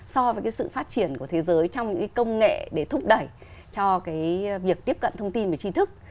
so với cái sự phát triển của thế giới trong những cái công nghệ để thúc đẩy cho cái việc tiếp cận thông tin và trí thức